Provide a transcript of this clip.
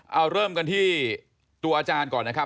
เอาเริ่มกันที่ตัวอาจารย์ก่อนนะครับ